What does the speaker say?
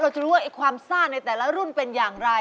จะรู้ว่าความซ่าในแต่ละรุ่นเป็นอย่างไร